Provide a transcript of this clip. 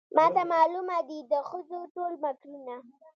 ماته معلومه دي د ښځو ټول مکرونه